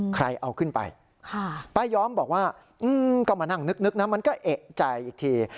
ใครเอาขึ้นไปป้าย้อมบอกว่าก็มานั่งนึกนะมันก็เอกใจอีกที